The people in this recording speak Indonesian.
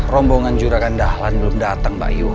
rombongan juragan dahlan belum datang mbak iyu